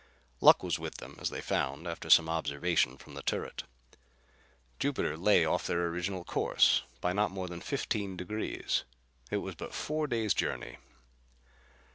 Luck was with them, as they found after some observations from the turret. Jupiter lay off their original course by not more than fifteen degrees. It was but four days' journey.